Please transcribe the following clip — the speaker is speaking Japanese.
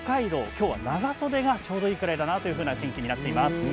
今日は長袖がちょうどいいぐらいかなという天気になっています。